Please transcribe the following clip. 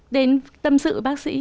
đến tâm sự bác sĩ